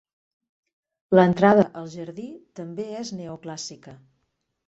L'entrada al jardí també és neoclàssica.